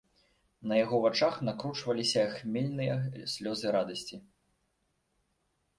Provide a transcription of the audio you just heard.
На яго вачах накручваліся хмельныя слёзы радасці.